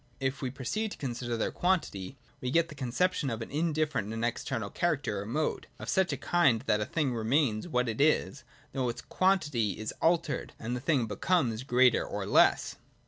If we proceed to con 98,99 ] QUANTITY. 185 sider their quantity, we get the conception of an indifferent and external character or mode, of such a kind that a thing remains what it is, though its quantity is altered, and the thing becomes greater or less.